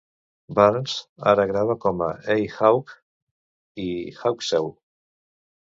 Barnes ara grava com A Hawk i Hacksaw.